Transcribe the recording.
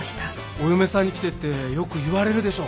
お嫁さんに来てってよく言われるでしょ？